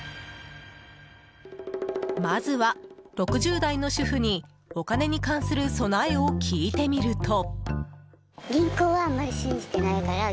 まずは６０代の主婦にお金に関する備えを聞いてみると。